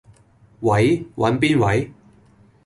喂，搵邊位？